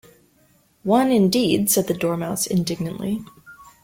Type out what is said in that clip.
‘One, indeed!’ said the Dormouse indignantly.